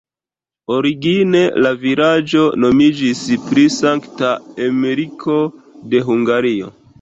Origine la vilaĝo nomiĝis pri Sankta Emeriko de Hungario.